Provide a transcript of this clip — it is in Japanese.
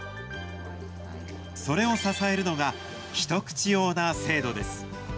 それを支えるのが、一口オーナー制度です。